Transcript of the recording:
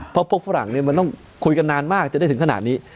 เพราะพวกฝรั่งเนี่ยมันต้องคุยกันนานมากจะได้ถึงขนาดนี้